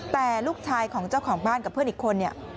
แต่ลูกชายของเจ้าของบ้านกับเพื่อนอีกคนเนี่ย